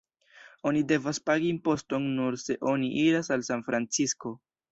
Oni devas pagi imposton nur se oni iras al Sanfrancisko.